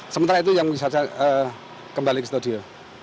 sementara itu yang bisa saya kembali ke studio